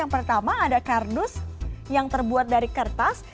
yang pertama ada kardus yang terbuat dari kertas